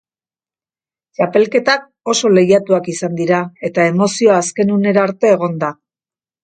Txapelketak oso lehiatuak izan dira eta emozioa azken unera arte egon da.